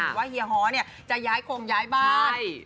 เห็นว่าเฮียฮอร์เนี่ยจะย้ายคงย้ายบ้าน